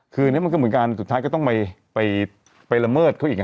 คืออันนี้มันก็เหมือนกันสุดท้ายก็ต้องไปละเมิดเขาอีก